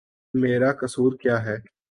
میرا قصور کیا ہے؟